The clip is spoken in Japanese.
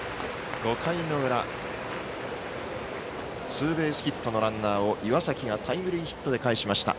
５回の裏ツーベースヒットのランナーを岩崎がタイムリーヒットでかえしました。